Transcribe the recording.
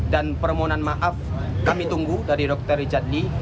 dan permohonan maaf kami tunggu dari dr richard lee